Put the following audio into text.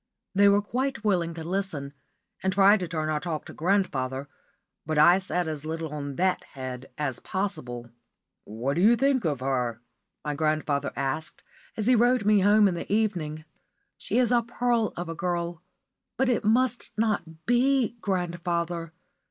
They were quite willing to listen, and tried to turn our talk to grandfather; but I said as little on that head as possible. "What d' you think of her?" my grandfather asked, as he rowed me home in the evening. "She is a pearl of a girl. But it must not be, grandfather.